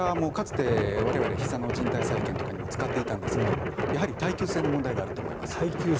ひざのじん帯再建とかに使っていたんですがやはり耐久性の問題があると思います。